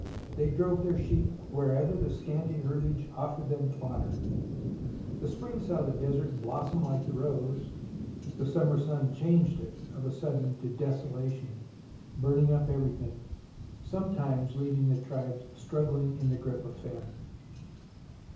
They drove their sheep wherever the scanty herbage offered them fodder. The spring saw the desert blossom like the rose, the summer sun changed it of a sudden to desolation, burn "9 120 THE ROMANCE OF EXCAVATION ing up everything, sometimes leaving the tribes struggling in the grip of famine.